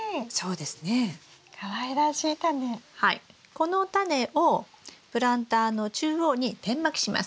このタネをプランターの中央に点まきします。